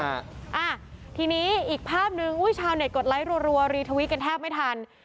อ่าทีนี้อีกภาพหนึ่งอุ้ยชาวเน็ตกดไลค์รัวรีทวิตกันแทบไม่ทัน